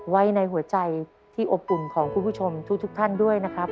ไว้ในหัวใจที่อบอุ่นของคุณผู้ชมทุกท่านด้วยนะครับ